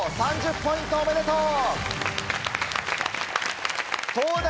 ３０ポイントおめでとう！